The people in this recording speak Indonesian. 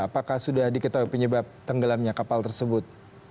apakah sudah diketahui penyebab tenggelamnya kapal tersebut